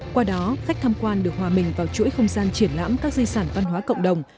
qua đó khách tham quan được hòa mình vào chuỗi không gian triển lãm các di sản văn hóa cộng đồng